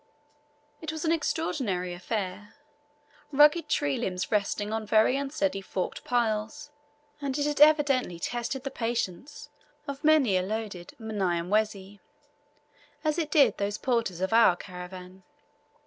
It was an extraordinary affair; rugged tree limbs resting on very unsteady forked piles, and it had evidently tested the patience of many a loaded Mnyamwezi, as it did those porters of our caravan.